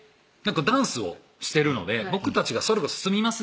ダンスをしてるので僕たちがそれこそ住みます